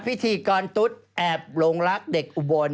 พี่ทีกรตุ๊ดแอบหลงรักเด็กวล